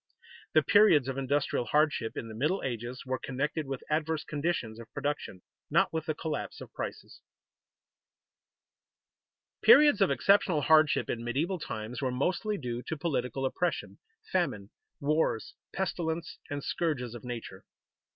_The periods of industrial hardship in the Middle Ages were connected with adverse conditions of production, not with the collapse of prices._ Periods of exceptional hardship in medieval times were mostly due to political oppression, famine, wars, pestilence, and scourges of nature.